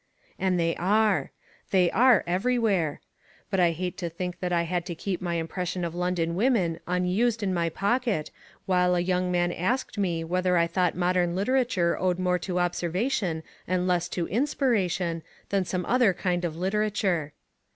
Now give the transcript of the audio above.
And they are. They are, everywhere. But I hate to think that I had to keep my impression of London women unused in my pocket while a young man asked me whether I thought modern literature owed more to observation and less to inspiration than some other kind of literature.